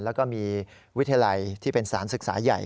แล้วก็มีวิทยาลัยที่เป็นสารศึกษาใหญ่